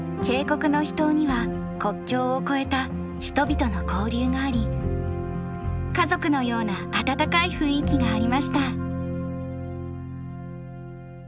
渓谷の秘湯には国境を越えた人々の交流があり家族のような温かい雰囲気がありました。